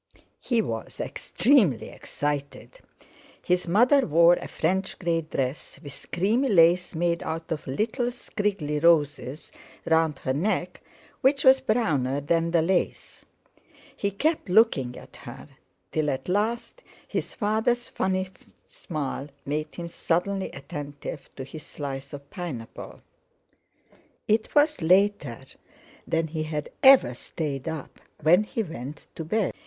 He was extremely excited. His mother wore a French grey dress, with creamy lace made out of little scriggly roses, round her neck, which was browner than the lace. He kept looking at her, till at last his father's funny smile made him suddenly attentive to his slice of pineapple. It was later than he had ever stayed up, when he went to bed.